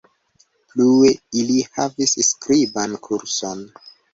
Plue, ili havis skriban kurson.